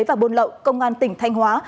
và bôn lậu công an tỉnh thanh hóa